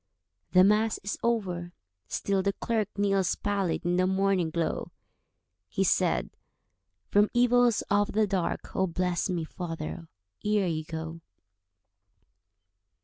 The Mass is over—still the clerk Kneels pallid in the morning glow. He said, "From evils of the dark Oh, bless me, father, ere you go.